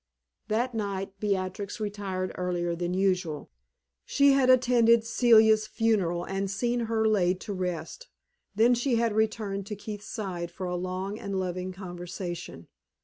That night Beatrix retired earlier than usual. She had attended Celia's funeral and seen her laid to rest; then she had returned to Keith's side for a long and loving conversation.